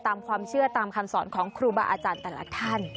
ตามความเชื่อตามคำสอนของครูบาอาจารย์แต่ละท่าน